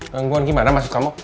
gangguan gimana mas kamu